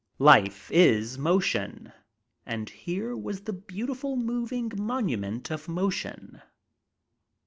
Life is motion and hero \\;is the beautiful moving monument of motion.